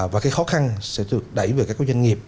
và cái khó khăn sẽ được đẩy về các doanh nghiệp